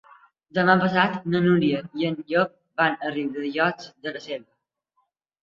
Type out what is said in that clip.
Demà passat na Núria i en Llop van a Riudellots de la Selva.